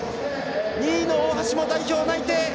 ２位の大橋も代表内定。